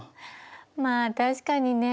まあ確かにね